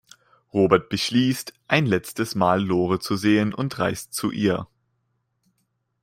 Robert beschließt, ein letztes Mal Lore zu sehen und reist zu ihr.